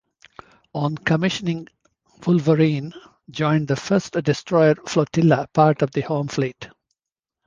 On commissioning, "Wolverine" joined the First Destroyer Flotilla, part of the Home Fleet.